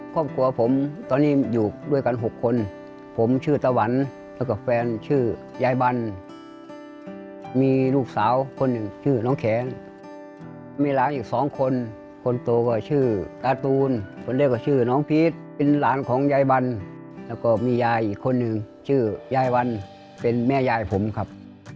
ครอบครัวผมตอนนี้อยู่ด้วยกัน๖คนผมชื่อตะวันแล้วก็แฟนชื่อยายบันมีลูกสาวคนหนึ่งชื่อน้องแข็งมีหลานอีกสองคนคนโตก็ชื่อการ์ตูนคนแรกก็ชื่อน้องพีชเป็นหลานของยายบันแล้วก็มียายอีกคนหนึ่งชื่อยายวันเป็นแม่ยายผมครับ